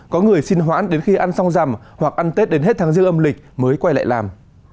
có người xin hoãn đến khi ăn xong rằm hoặc ăn tết đến hết tháng dương âm lịch mới quay lại làm